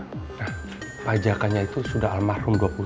nah pak jaka itu sudah almarhum dua puluh tahun yang lalu